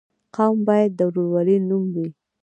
قوم باید د ورورولۍ نوم وي.